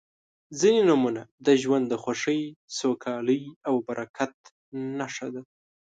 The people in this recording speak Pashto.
•ځینې نومونه د ژوند د خوښۍ، سوکالۍ او برکت نښه ده.